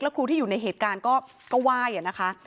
ครูที่อยู่ในเหตุการณ์ก็ไหว้นะคะ